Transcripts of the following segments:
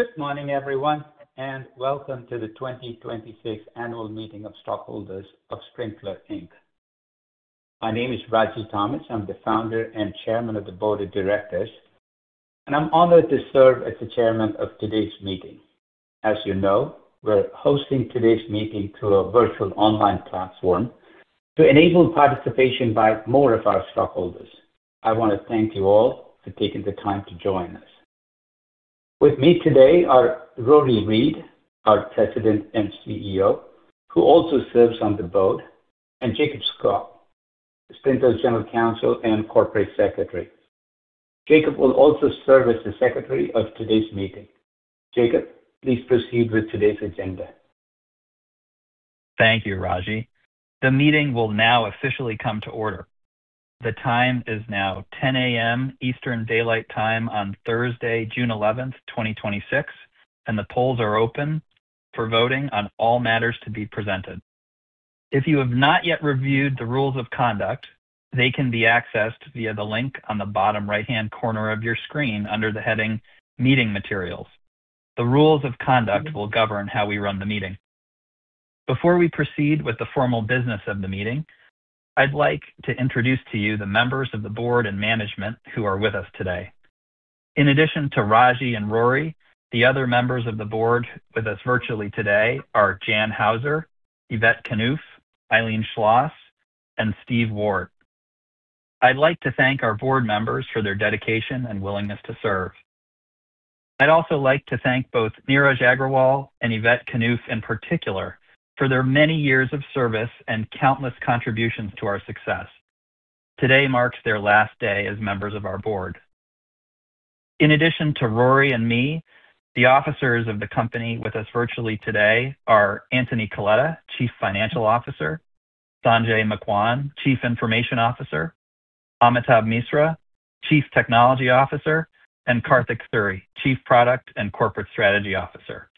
Good morning, everyone, and welcome to the 2026 Annual Meeting of Stockholders of Sprinklr, Inc. My name is Ragy Thomas. I'm the Founder and Chairman of the Board of Directors. I'm honored to serve as the Chairman of today's meeting. As you know, we're hosting today's meeting through a virtual online platform to enable participation by more of our stockholders. I want to thank you all for taking the time to join us. With me today are Rory Read, our President and CEO, who also serves on the board. Jacob Scott, Sprinklr's General Counsel and Corporate Secretary. Jacob will also serve as the Secretary of today's meeting. Jacob, please proceed with today's agenda. Thank you, Ragy. The meeting will now officially come to order. The time is now 10:00 A.M. Eastern Daylight Time on Thursday, June 11th, 2026. The polls are open for voting on all matters to be presented. If you have not yet reviewed the rules of conduct, they can be accessed via the link on the bottom right-hand corner of your screen under the heading Meeting Materials. The rules of conduct will govern how we run the meeting. Before we proceed with the formal business of the meeting, I'd like to introduce to you the members of the board and management who are with us today. In addition to Ragy and Rory, the other members of the board with us virtually today are Jan Hauser, Yvette Kanouff, Eileen Schloss, and Stephen Ward. I'd like to thank our board members for their dedication and willingness to serve. I'd also like to thank both Neeraj Agrawal and Yvette Kanouff in particular for their many years of service and countless contributions to our success. Today marks their last day as members of our board. In addition to Rory and me, the officers of the company with us virtually today are Anthony Coletta, Chief Financial Officer, Sanjay Macwan, Chief Information Officer, Amitabh Misra, Chief Technology Officer, and Karthik Suri, Chief Product and Corporate Strategy Officer.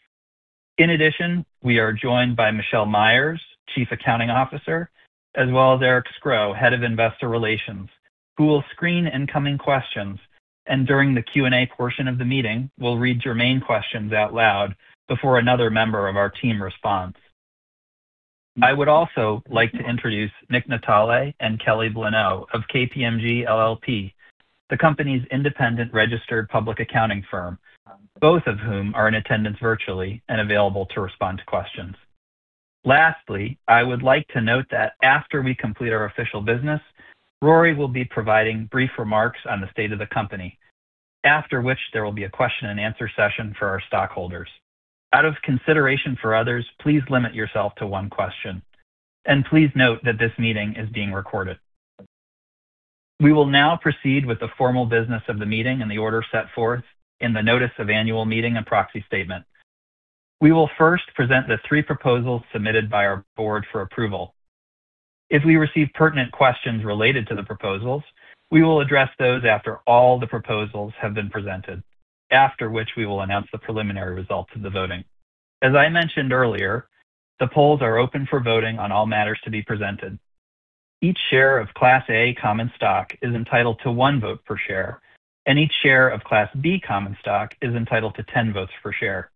In addition, we are joined by Michele Meyers, Chief Accounting Officer, as well as Eric Scro, Head of Investor Relations, who will screen incoming questions. During the Q&A portion of the meeting, will read your main questions out loud before another member of our team responds. I would also like to introduce Nick Natale and Kelly Blennau of KPMG LLP, the company's independent registered public accounting firm, both of whom are in attendance virtually and available to respond to questions. Lastly, I would like to note that after we complete our official business, Rory will be providing brief remarks on the state of the company, after which there will be a question and answer session for our stockholders. Out of consideration for others, please limit yourself to one question. Please note that this meeting is being recorded. We will now proceed with the formal business of the meeting in the order set forth in the notice of annual meeting and proxy statement. We will first present the three proposals submitted by our board for approval. If we receive pertinent questions related to the proposals, we will address those after all the proposals have been presented, after which we will announce the preliminary results of the voting. As I mentioned earlier, the polls are open for voting on all matters to be presented. Each share of Class A common stock is entitled to one vote per share, and each share of Class B common stock is entitled to 10 votes per share.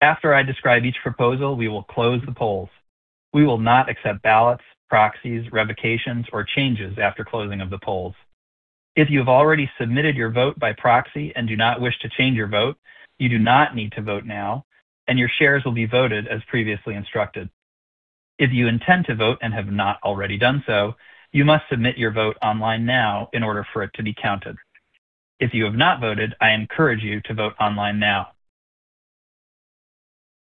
After I describe each proposal, we will close the polls. We will not accept ballots, proxies, revocations, or changes after closing of the polls. If you have already submitted your vote by proxy and do not wish to change your vote, you do not need to vote now, and your shares will be voted as previously instructed. If you intend to vote and have not already done so, you must submit your vote online now in order for it to be counted. If you have not voted, I encourage you to vote online now.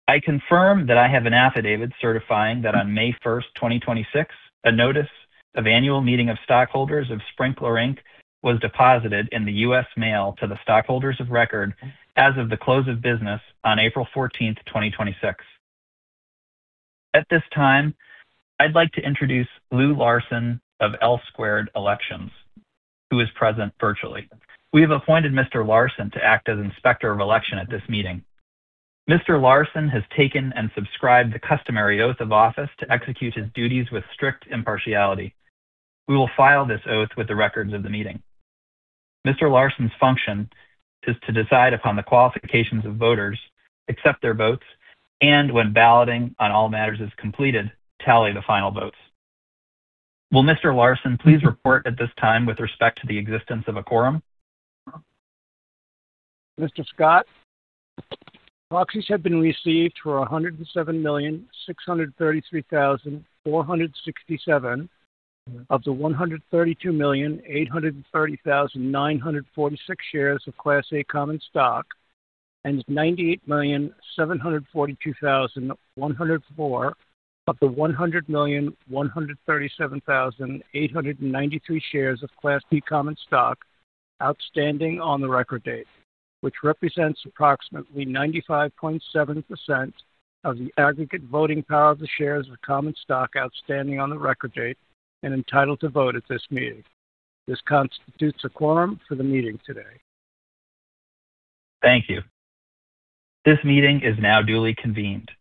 I confirm that I have an affidavit certifying that on May 1st, 2026, a notice of annual meeting of stockholders of Sprinklr Inc. was deposited in the U.S. mail to the stockholders of record as of the close of business on April 14th, 2026. At this time, I'd like to introduce Lou Larson of L-Squared Elections, who is present virtually. We have appointed Mr. Larson to act as Inspector of Election at this meeting. Mr. Larson has taken and subscribed the customary oath of office to execute his duties with strict impartiality. We will file this oath with the records of the meeting. Mr. Larson's function is to decide upon the qualifications of voters, accept their votes, and when balloting on all matters is completed, tally the final votes. Will Mr. Larson please report at this time with respect to the existence of a quorum? Mr. Scott, proxies have been received for 107,633,467 of the 132,830,946 shares of Class A common stock and 98,742,104 of the 100,137,893 shares of Class B common stock outstanding on the record date, which represents approximately 95.7% of the aggregate voting power of the shares of common stock outstanding on the record date and entitled to vote at this meeting. This constitutes a quorum for the meeting today. Thank you. This meeting is now duly convened.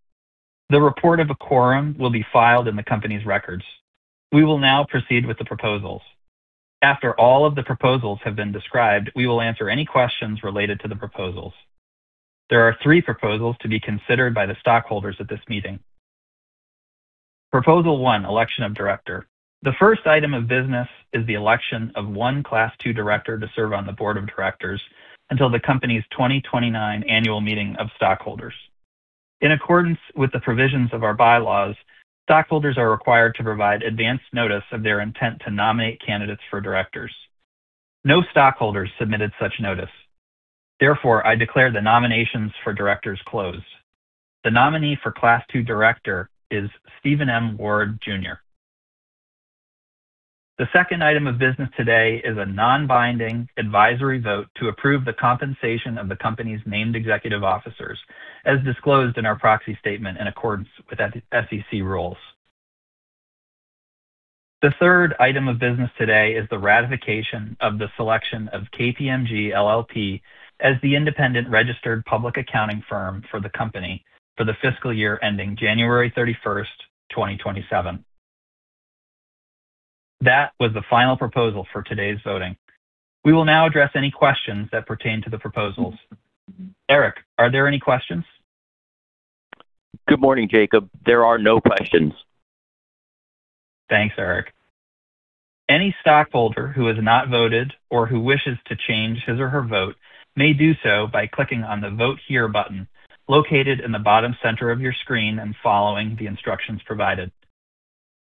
The report of a quorum will be filed in the company's records. We will now proceed with the proposals. After all of the proposals have been described, we will answer any questions related to the proposals. There are three proposals to be considered by the stockholders at this meeting. Proposal one, election of director. The first item of business is the election of one class 2 director to serve on the board of directors until the company's 2029 annual meeting of stockholders. In accordance with the provisions of our bylaws, stockholders are required to provide advance notice of their intent to nominate candidates for directors. No stockholders submitted such notice. I declare the nominations for directors closed. The nominee for class 2 director is Stephen M. Ward, Jr. The second item of business today is a non-binding advisory vote to approve the compensation of the company's named executive officers as disclosed in our proxy statement in accordance with SEC rules. The third item of business today is the ratification of the selection of KPMG LLP as the independent registered public accounting firm for the company for the fiscal year ending January 31st, 2027. That was the final proposal for today's voting. We will now address any questions that pertain to the proposals. Eric, are there any questions? Good morning, Jacob. There are no questions. Thanks, Eric. Any stockholder who has not voted or who wishes to change his or her vote may do so by clicking on the Vote Here button located in the bottom center of your screen and following the instructions provided.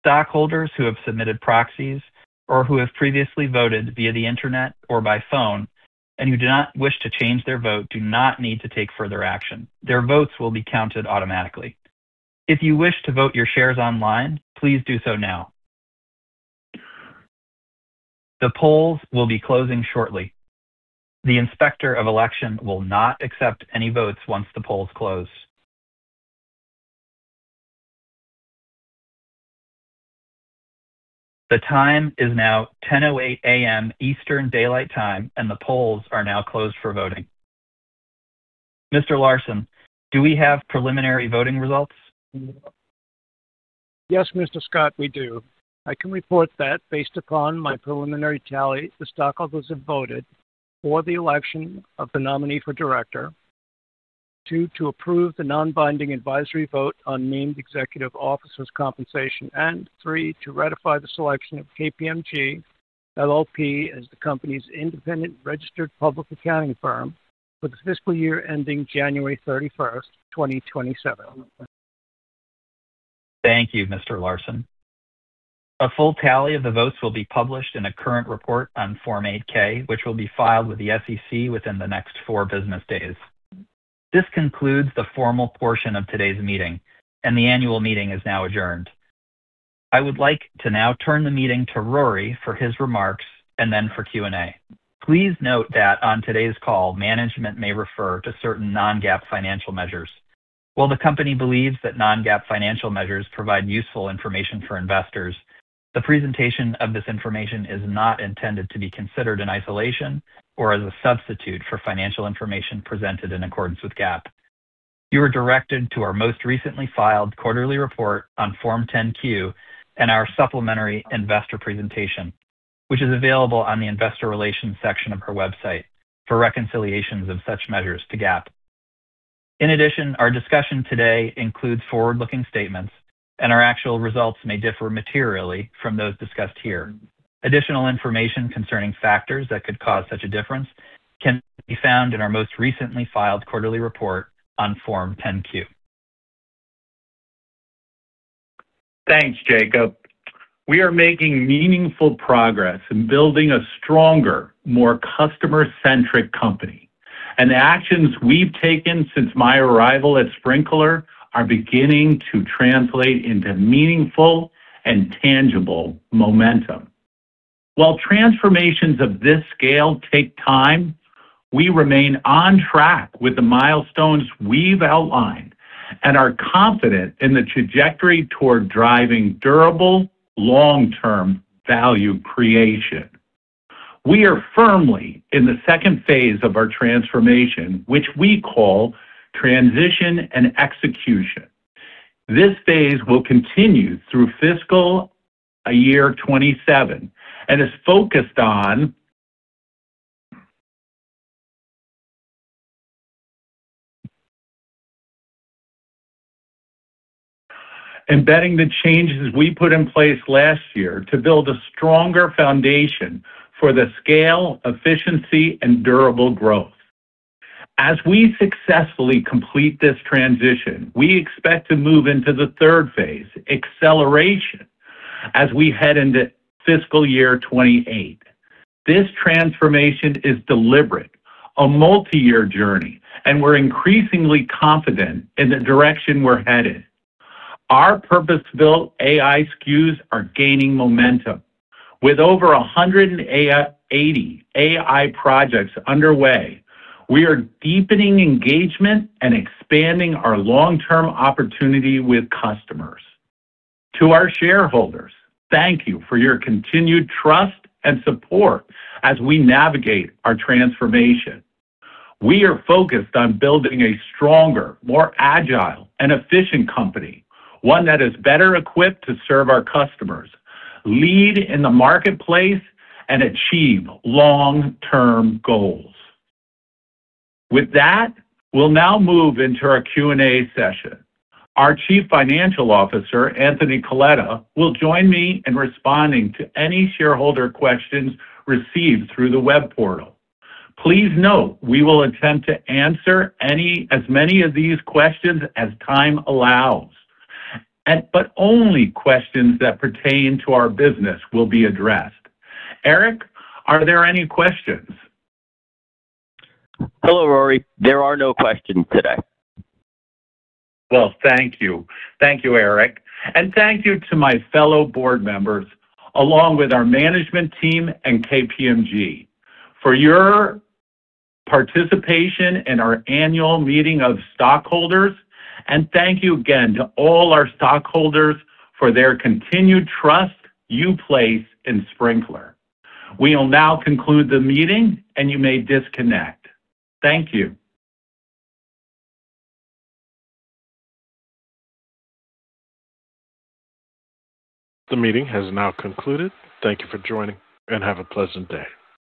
Stockholders who have submitted proxies or who have previously voted via the internet or by phone and who do not wish to change their vote do not need to take further action. Their votes will be counted automatically. If you wish to vote your shares online, please do so now. The polls will be closing shortly. The Inspector of Election will not accept any votes once the polls close. The time is now 10:08 A.M. Eastern Daylight Time, and the polls are now closed for voting. Mr. Larson, do we have preliminary voting results? Yes, Mr. Scott, we do. I can report that based upon my preliminary tally, the stockholders have voted for the election of the nominee for director. Two, to approve the non-binding advisory vote on named executive officers' compensation. Three, to ratify the selection of KPMG LLP as the company's independent registered public accounting firm for the fiscal year ending January 31st, 2027. Thank you, Mr. Larson. A full tally of the votes will be published in a current report on Form 8-K, which will be filed with the SEC within the next four business days. This concludes the formal portion of today's meeting and the annual meeting is now adjourned. I would like to now turn the meeting to Rory for his remarks and then for Q&A. Please note that on today's call, management may refer to certain non-GAAP financial measures. While the company believes that non-GAAP financial measures provide useful information for investors, the presentation of this information is not intended to be considered in isolation or as a substitute for financial information presented in accordance with GAAP. You are directed to our most recently filed quarterly report on Form 10-Q and our supplementary investor presentation, which is available on the investor relations section of our website for reconciliations of such measures to GAAP. In addition, our discussion today includes forward-looking statements and our actual results may differ materially from those discussed here. Additional information concerning factors that could cause such a difference can be found in our most recently filed quarterly report on Form 10-Q. Thanks, Jacob. We are making meaningful progress in building a stronger, more customer-centric company, and the actions we've taken since my arrival at Sprinklr are beginning to translate into meaningful and tangible momentum. While transformations of this scale take time, we remain on track with the milestones we've outlined and are confident in the trajectory toward driving durable long-term value creation. We are firmly in the second phase of our transformation, which we call transition and execution. This phase will continue through fiscal year 2027 and is focused on embedding the changes we put in place last year to build a stronger foundation for the scale, efficiency, and durable growth. As we successfully complete this transition, we expect to move into the third phase, acceleration, as we head into fiscal year 2028. This transformation is deliberate, a multi-year journey, and we're increasingly confident in the direction we're headed. Our purpose-built AI SKUs are gaining momentum. With over 180 AI projects underway, we are deepening engagement and expanding our long-term opportunity with customers. To our shareholders, thank you for your continued trust and support as we navigate our transformation. We are focused on building a stronger, more agile and efficient company, one that is better equipped to serve our customers, lead in the marketplace, and achieve long-term goals. With that, we'll now move into our Q&A session. Our Chief Financial Officer, Anthony Coletta, will join me in responding to any shareholder questions received through the web portal. Please note we will attempt to answer as many of these questions as time allows, but only questions that pertain to our business will be addressed. Eric, are there any questions? Hello, Rory. There are no questions today. Well, thank you. Thank you, Eric, thank you to my fellow board members, along with our management team and KPMG, for your participation in our annual meeting of stockholders. Thank you again to all our stockholders for their continued trust you place in Sprinklr. We will now conclude the meeting and you may disconnect. Thank you. The meeting has now concluded. Thank you for joining, have a pleasant day.